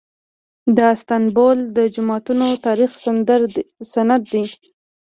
د استانبول جوماتونه د تاریخ سند دي.